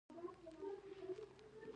د خوځښت، لوژستیک او ساختماني چارو لپاره